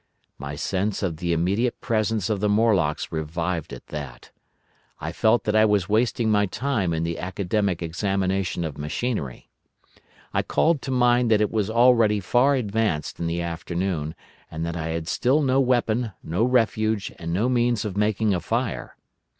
My sense of the immediate presence of the Morlocks revived at that. I felt that I was wasting my time in the academic examination of machinery. I called to mind that it was already far advanced in the afternoon, and that I had still no weapon, no refuge, and no means of making a fire.